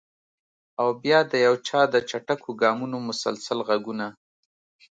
او بیا د یو چا د چټکو ګامونو مسلسل غږونه!